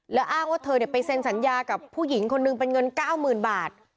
แล้วอ้างว่าเธอไปเซ็นสัญญากับผู้หญิงคนหนึ่งเป็นเงิน๙๐๐๐บาท